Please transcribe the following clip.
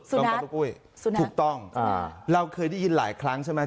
น้องก๊อปลูกถูกต้องเราเคยได้ยินหลายครั้งใช่ไหม